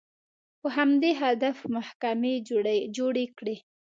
په همدې هدف محکمې جوړې کړې